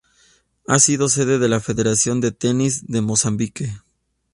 Ha sido sede de la Federación de Tenis de Mozambique.